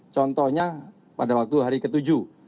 contohnya pada waktu hari ketujuh